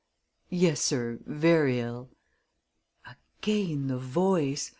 "Yes, sir; ver' ill." Again the voice!